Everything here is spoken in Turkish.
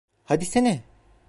Hadisene.